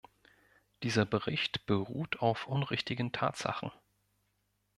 Dieser Bericht beruht auf unrichtigen Tatsachen.